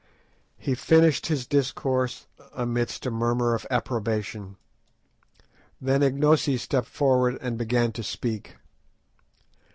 He finished his discourse amidst a murmur of approbation. Then Ignosi stepped forward and began to speak.